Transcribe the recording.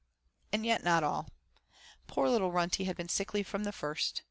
And yet not all poor little Runtie had been sickly from the first.